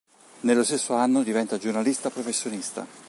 Nello stesso anno, diventa giornalista professionista.